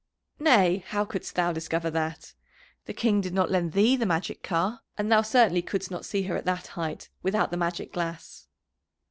"Nay, how couldst thou discover that? The King did not lend thee the magic car, and thou certainly couldst not see her at that height without the magic glass!"